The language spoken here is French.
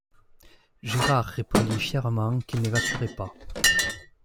Gérard répondit fièrement qu'il n'évacuerait pas.